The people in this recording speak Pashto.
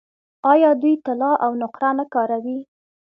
آیا دوی طلا او نقره نه کاروي؟